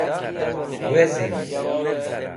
Wezim.